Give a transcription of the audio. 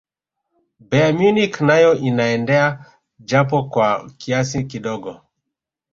bayern munich nayo inaendea japo kwa kiasi kidogo